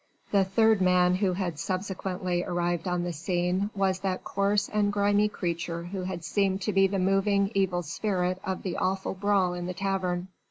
The third man who had subsequently arrived on the scene was that coarse and grimy creature who had seemed to be the moving evil spirit of that awful brawl in the tavern.